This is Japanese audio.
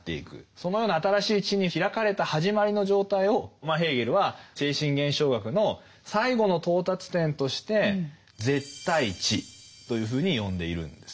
そのような「新しい知に開かれた始まりの状態」をヘーゲルは「精神現象学」の最後の到達点として「絶対知」というふうに呼んでいるんです。